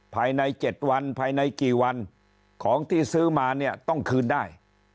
ภายใน๗วันภายในกี่วันของที่ซื้อมาเนี่ยต้องคืนได้